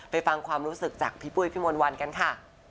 ฟังความรู้สึกจากพี่ปุ้ยพี่มนต์วันกันค่ะ